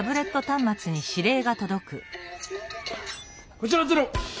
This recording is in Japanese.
こちらゼロ！